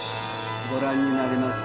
ご覧になれますか？